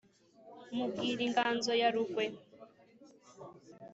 mubwira inganzo ya rugwe.